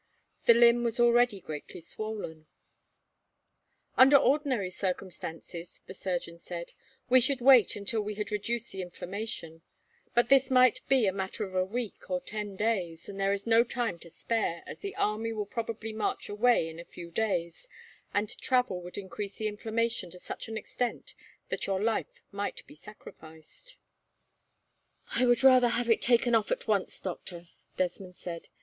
The limb was already greatly swollen. "Under ordinary circumstances," the surgeon said, "we should wait until we had reduced the inflammation, but this might be a matter of a week or ten days, and there is no time to spare, as the army will probably march away in a few days, and travel would increase the inflammation to such an extent that your life might be sacrificed." "I would rather have it taken off at once, doctor," Desmond said.